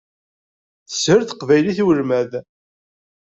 Teshel teqbaylit i ulmad.